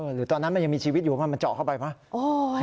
หรือตอนนั้นมันยังมีชีวิตอยู่ป่ะมันเจาะเข้าไปป่ะ